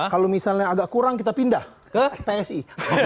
kalau misalnya agak kurang kita pindah ke psi